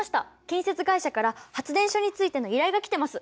建設会社から発電所についての依頼が来てます。